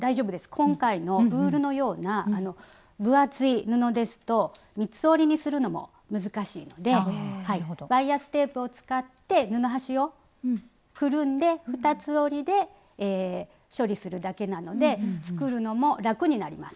今回のウールのような分厚い布ですと三つ折りにするのも難しいのでバイアステープを使って布端をくるんで二つ折りで処理するだけなので作るのも楽になります。